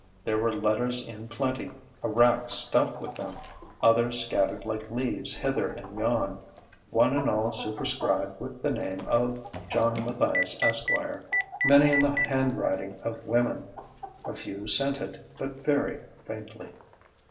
There were letters in plenty, a rack stuffed with them, others scattered like leaves hither and yon, one and all superscribed with the name of John Matthias, Esq., many in the handwriting of women, a few scented, but very faintly.